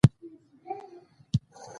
زه غږ پورته لولم.